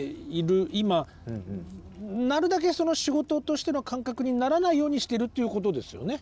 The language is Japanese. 今なるだけ仕事としての感覚にならないようにしてるっていうことですよね。